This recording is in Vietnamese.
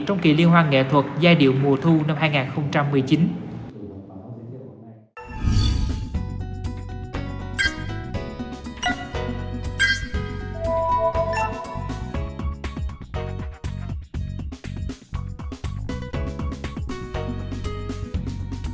trong kỳ liên hoan nghệ thuật giai điệu mùa thu năm hai nghìn một mươi chín